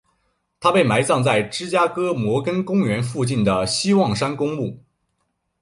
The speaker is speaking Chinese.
他被埋葬在芝加哥摩根公园附近的希望山公墓。